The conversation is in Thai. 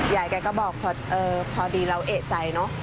ยายแกก็บอกพอดีเราเอกใจเนอะ